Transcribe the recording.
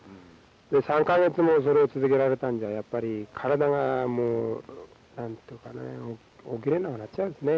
で３か月もそれを続けられたんじゃやっぱり体がもう何ていうかね起きれなくなっちゃうんですね。